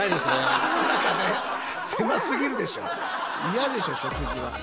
嫌でしょ食事は。